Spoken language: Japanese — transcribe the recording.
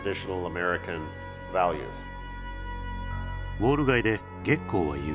「ウォール街」でゲッコーは言う。